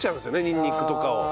にんにくとかを。